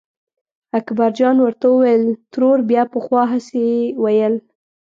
اکبرجان ورته وویل ترور بیا پخوا هسې ویل.